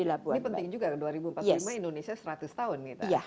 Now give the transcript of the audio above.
ini penting juga dua ribu empat puluh lima indonesia seratus tahun kita